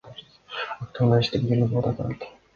Автоунаа иштебеген абалда турат.